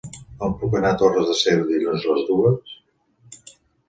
Com puc anar a Torres de Segre dilluns a les dues?